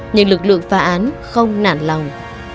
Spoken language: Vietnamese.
nhưng lực lượng phá án không nản lòng